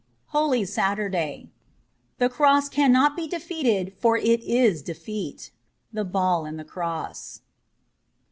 * 414 HOLY SATURDAY THE Cross cannot be defeated for it is defeat. ' The Ball and the Cross.'